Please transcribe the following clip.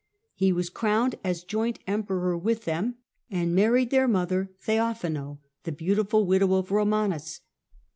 He was crowned as joint (Co' regent Emperor with them, and married their mother, Theophano, Emperor— ^Jjq bcautiful widow ofEomanus.